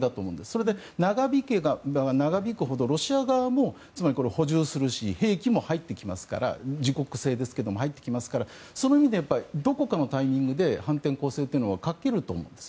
それで、長引けば長引くほどロシア側もつまり、補充するし兵器も入ってきますから自国製ですけども入ってきますからその意味でどこかのタイミングで反転攻勢というのをかけると思うんです。